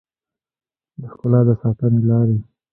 د ښکلا د ساتنې لارې